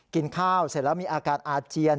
กินข้าวเสร็จแล้วมีอาการอาเจียน